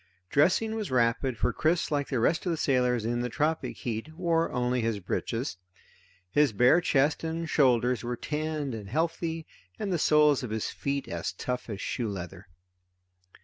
Dressing was rapid, for Chris, like the rest of the sailors in the tropic heat, wore only his breeches. His bare chest and shoulders were tanned and healthy and the soles of his bare feet as tough as shoe leather.